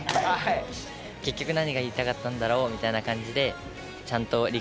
結局何が言いたかったんだろうみたいな感じで。